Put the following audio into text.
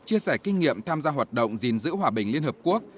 chia sẻ kinh nghiệm tham gia hoạt động gìn giữ hòa bình liên hợp quốc